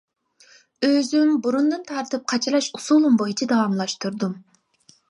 ئۆزۈم بۇرۇندىن تارتىپ قاچىلاش ئۇسۇلۇم بويىچە داۋاملاشتۇردۇم.